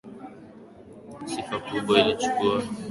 sifa kubwa ilichukuliwa na kampuni ya cunard line